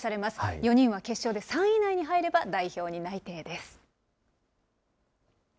４人は、決勝で３位以内に入れば、代表に内定です。